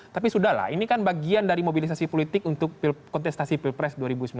tapi sudah lah ini kan bagian dari mobilisasi politik untuk kontestasi pilpres dua ribu sembilan belas